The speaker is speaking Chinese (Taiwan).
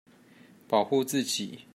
保護自己